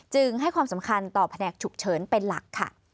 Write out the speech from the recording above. ให้ความสำคัญต่อแผนกฉุกเฉินเป็นหลักค่ะ